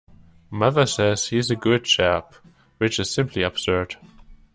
Mother says he's a good chap, which is simply absurd.